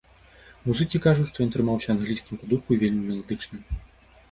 Музыкі кажуць, што ён атрымаўся англійскім па духу і вельмі меладычным.